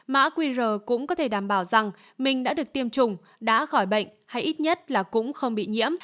mã qr cũng có thể đảm bảo rằng mình đã được tiêm chủng đã khỏi bệnh hay ít nhất là cũng không bị nhiễm